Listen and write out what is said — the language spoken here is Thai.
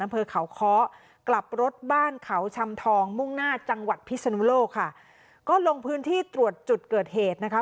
อำเภอเขาเคาะกลับรถบ้านเขาชำทองมุ่งหน้าจังหวัดพิศนุโลกค่ะก็ลงพื้นที่ตรวจจุดเกิดเหตุนะคะ